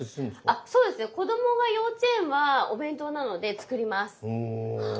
あそうですね。子供が幼稚園はお弁当なので作ります。